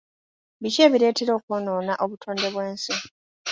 Biki ebireeta okwonoona obutonde bw'ensi?